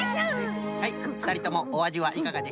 はいふたりともおあじはいかがでしょう？